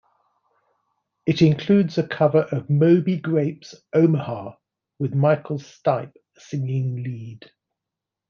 It includes a cover of Moby Grape's "Omaha", with Michael Stipe singing lead.